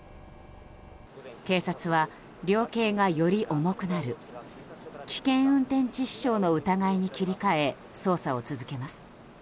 警察は量刑がより重くなる危険運転致死傷の疑いに切り替え捜査を続けます。